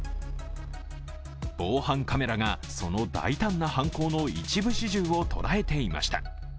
防犯カメラがその大胆な犯行の一部始終を捉えていました。